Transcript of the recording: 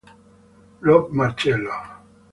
Rob Marcello